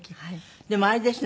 でもあれですね。